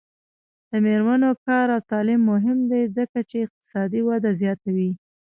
د میرمنو کار او تعلیم مهم دی ځکه چې اقتصادي وده زیاتوي.